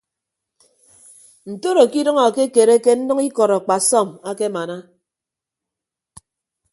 Ntoro ke idʌñ akekereke nnʌñ ikọd akpasọm akemana.